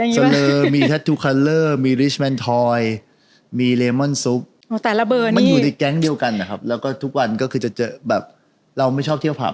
ใช่แล้วก็เละหมายถึงว่าแบบก็มีแต่วัยรุ่นวัยเดียวกัน